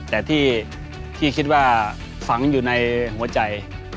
แต่ที่คิดว่าฝังอยู่ในหัวใจ